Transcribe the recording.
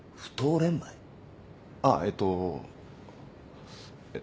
あっえっと。